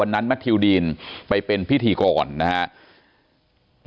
วันนั้นมัธิวดีนไปเป็นพิธีกรนะครับ